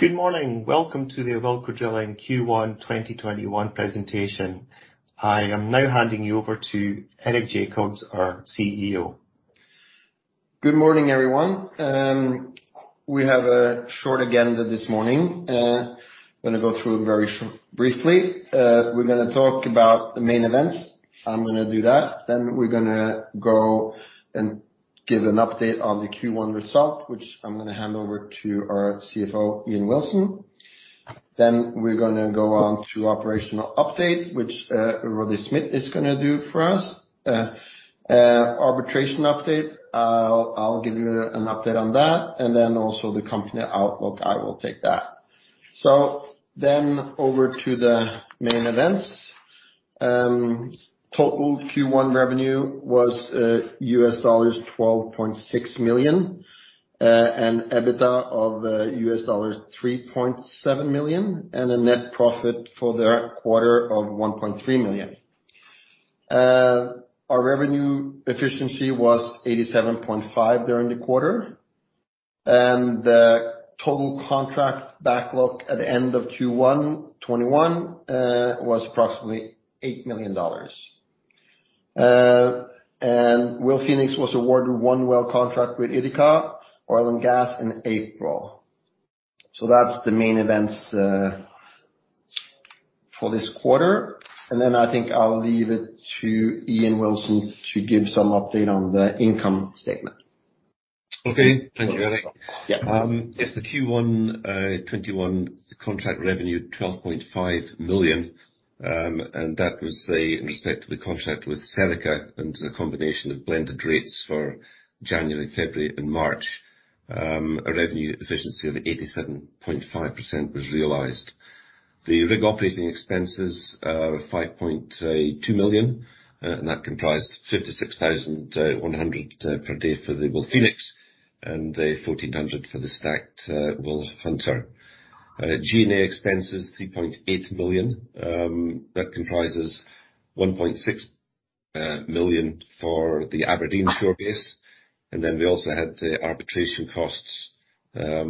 Good morning. Welcome to the Awilco Drilling Q1 2021 presentation. I am now handing you over to Eric Jacobs, our CEO. Good morning, everyone. We have a short agenda this morning. I'm going to go through it very briefly. We're going to talk about the main events. I'm going to do that, then we're going to go and give an update on the Q1 results, which I'm going to hand over to our CFO, Ian Wilson. We're going to go on to operational update, which Roddy Smith is going to do for us. Arbitration update, I'll give you an update on that, then also the company outlook, I will take that. Over to the main events. Total Q1 revenue was US $12.6 million and EBITDA of US $3.7 million, and a net profit for that quarter of $1.3 million. Our revenue efficiency was 87.5% during the quarter, and the total contract backlog at the end of Q1 2021 was approximately $8 million. WilPhoenix was awarded one well contract with Ithaca Energy in April. That's the main events for this quarter. Then I think I'll leave it to Ian Wilson to give some update on the income statement. Okay. Thank you, Eric. Yeah. Yes, the Q1 2021 contract revenue, $12.5 million. That was in respect to the contract with Serica and a combination of blended rates for January, February, and March. A revenue efficiency of 87.5% was realized. The rig operating expenses are $5.2 million. That comprised $56,100 per day for the WilPhoenix, and $1,400 for the stacked WilHunter. G&A expenses $3.8 million. That comprises $1.6 million for the Aberdeen shore base. We also had the arbitration costs for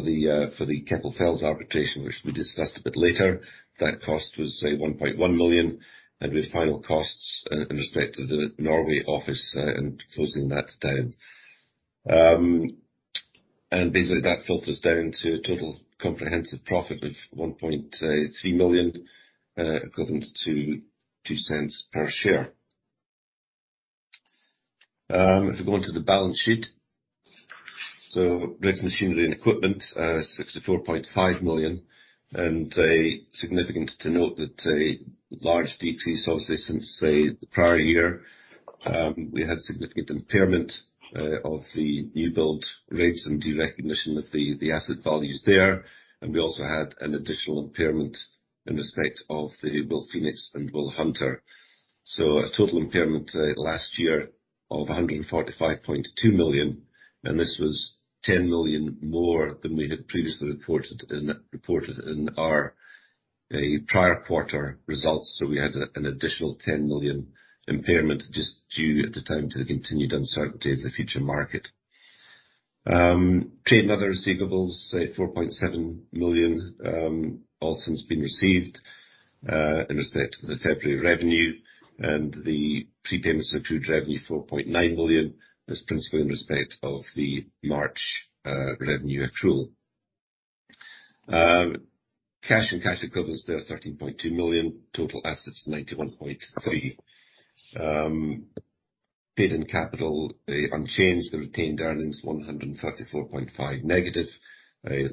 the Keppel FELS arbitration, which we discussed a bit later. That cost was $1.1 million. With final costs in respect of the Norway office and closing that down. That filters down to a total comprehensive profit of $1.3 million equivalent to $0.02 per share. If we go on to the balance sheet. Rigs and machinery and equipment, $64.5 million. Significant to note that a large decrease obviously since the prior year. We had significant impairment of the new build rigs and de-recognition of the asset values there. We also had an additional impairment in respect of the WilPhoenix and WilHunter. A total impairment last year of $145.2 million, and this was $10 million more than we had previously reported in our prior quarter results. We had an additional $10 million impairment just due at the time to the continued uncertainty in the future market. Trade and other receivables, $4.7 million, all since been received, in respect of the February revenue and the prepaid and accrued revenue $4.9 million was principally in respect of the March revenue accrual. Cash and cash equivalents there, $13.2 million. Total assets $91.3 million. Paid in capital unchanged. The retained earnings -$134.5,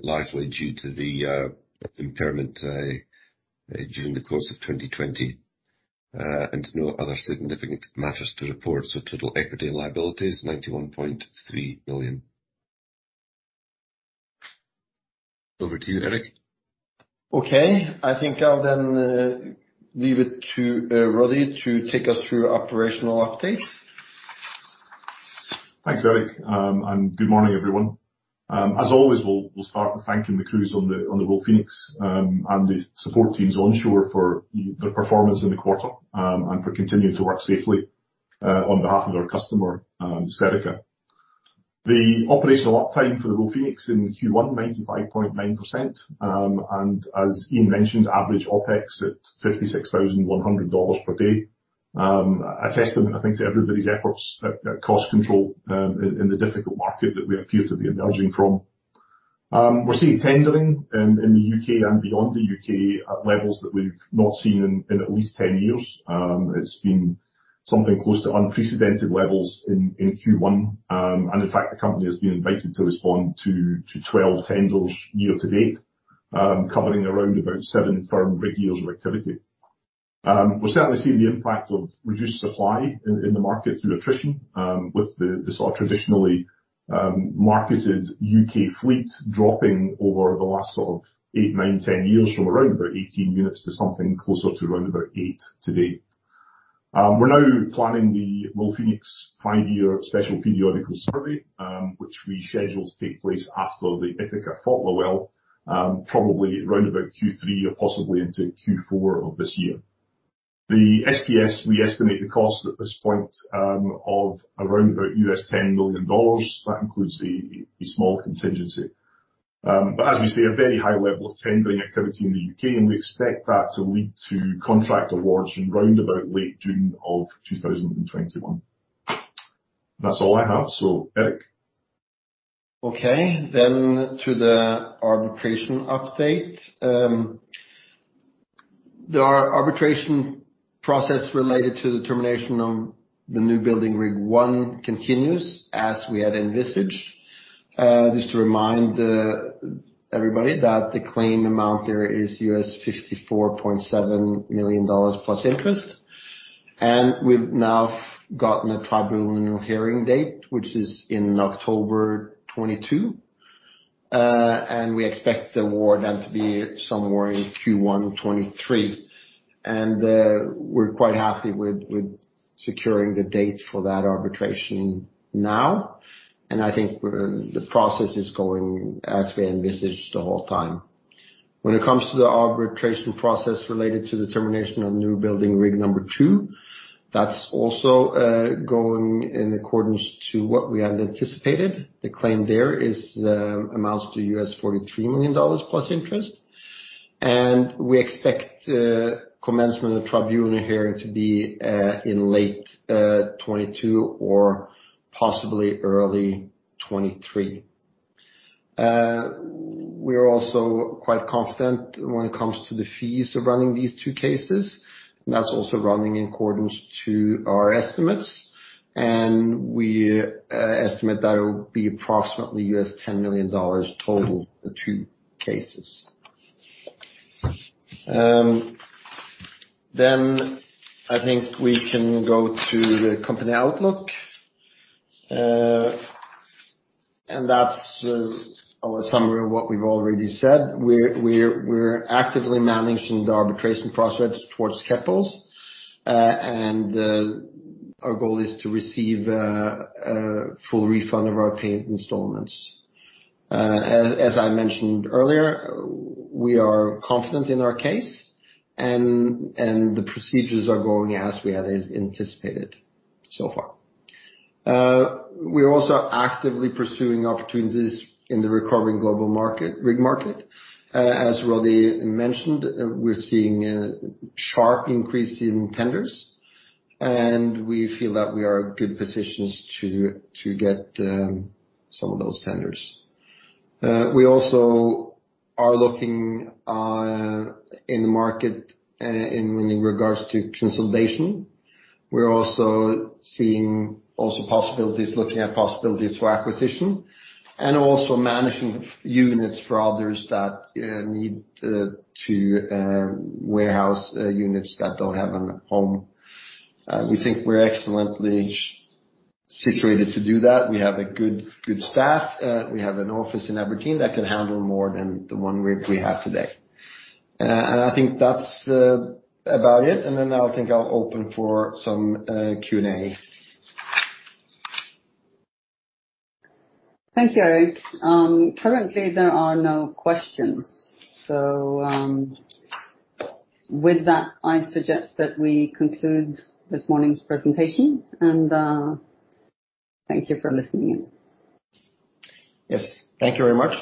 likely due to the impairment during the course of 2020. No other significant matters to report. Total equity liabilities, $91.3 million. Over to you, Eric. Okay. I think I'll leave it to Roddy to take us through operational update. Thanks, Eric, and good morning, everyone. As always, we'll start with thanking the crews on the WilPhoenix and the support teams onshore for their performance in the quarter and for continuing to work safely on behalf of their customer, Serica. The operational uptime for the WilPhoenix in Q1, 95.9%. As Ian mentioned, average OpEx at $56,100 per day. A testament, I think, to everybody's efforts at cost control in the difficult market that we appear to be emerging from. We're seeing tendering in the U.K. and beyond the U.K. at levels that we've not seen in at least 10 years. It's been something close to unprecedented levels in Q1. In fact, the company has been invited to respond to 12 tenders year to date, covering around about seven firm rig years of activity. We're starting to see the impact of reduced supply in the market through attrition with the traditionally marketed U.K. fleet dropping over the last sort of eight, nine, 10 years from around about 18 units to something closer to around about eight today. We're now planning the WilPhoenix five-year special periodical survey, which we scheduled to take place after the Ithaca Fotla well, probably around about Q3 or possibly into Q4 of this year. The SPS, we estimate the cost at this point of around about $10 million. That includes a small contingency. As we say, a very high level of tendering activity in the U.K., and we expect that to lead to contract awards in round about late June of 2021. That's all I have. Eric. Okay, to the arbitration update. The arbitration process related to the termination of the new building rig one continues as we had envisaged. Just to remind everybody that the claim amount there is $54.7 million plus interest. We've now gotten a tribunal hearing date, which is in October 2022. We expect the award then to be somewhere in Q1 2023. We're quite happy with securing the date for that arbitration now, and I think the process is going as we envisaged the whole time. When it comes to the arbitration process related to the termination of new building rig number two, that's also going in accordance to what we had anticipated. The claim there amounts to $43 million plus interest. We expect commencement of tribunal hearing to be in late 2022 or possibly early 2023. We are also quite confident when it comes to the fees of running these two cases. That's also running in accordance to our estimates. We estimate that it'll be approximately $10 million total for two cases. I think we can go to the company outlook. That's a summary of what we've already said. We're actively managing the arbitration process towards Keppel. Our goal is to receive a full refund of our paid installments. As I mentioned earlier, we are confident in our case. The procedures are going as we had anticipated so far. We're also actively pursuing opportunities in the recovering global rig market. As Roddy mentioned, we're seeing a sharp increase in tenders. We feel that we are in good positions to get some of those tenders. We also are looking in the market in regards to consolidation. We're also seeing possibilities, looking at possibilities for acquisition and also management of units for others that need to warehouse units that don't have a home. We think we're excellently situated to do that. We have a good staff. We have an office in Aberdeen that can handle more than the one rig we have today. I think that's about it. Now I think I'll open for some Q&A. Thank you, Eric. Currently, there are no questions. With that, I suggest that we conclude this morning's presentation, and thank you for listening in. Yes. Thank you very much.